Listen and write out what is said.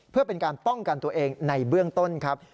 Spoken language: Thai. เพื่อเป็นการป้องกันตัวเองในเบื้องต้นครับ